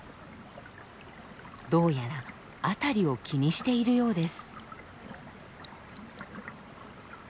どうやらあたりを気にしているようです。